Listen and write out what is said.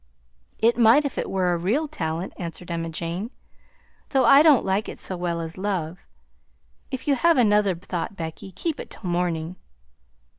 "It might if it was a real talent," answered Emma Jane, "though I don't like it so well as love. If you have another thought, Becky, keep it till morning."